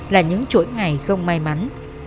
là những chuỗi ngày không may mắn